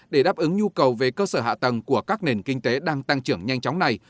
để đáp ứng nhu cầu về cơ sở hạ tầng của các nền kinh tế đang tăng trưởng nhanh chóng này